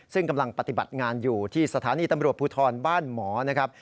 ซึ่งกำลังปฏิบัติงานอยู่ที่สถานีตำรวจภูทรบ้านหมอนะครับ